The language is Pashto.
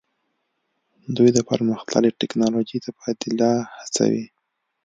دوی د پرمختللې ټیکنالوژۍ تبادله هڅوي